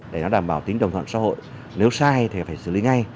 để nó đảm bảo tính đồng thuận xã hội nếu sai thì phải xử lý ngay